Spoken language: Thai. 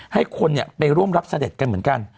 ให้คนไปร่วมรับเสด็จกันเหมือนกัน